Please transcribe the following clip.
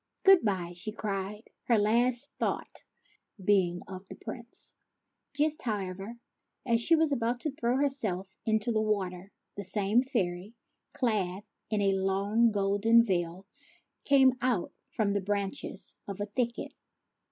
" Good by," she cried, her last thought being of the Prince. THE MONEY BOX 87 Just, however, as she was about to throw herself into the water, the same fairy, clad in a long golden veil, came out from the branches of a thicket.